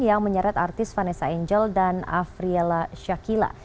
yang menyeret artis vanessa angel dan afriela shakila